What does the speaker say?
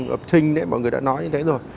ập trình mọi người đã nói như thế rồi